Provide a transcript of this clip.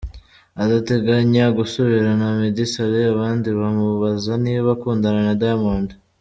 adateganya gusubirana na Meddy Saleh, abandi bamubaza niba akundana na Diamond